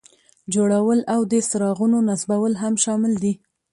جوړول او د څراغونو نصبول هم شامل دي.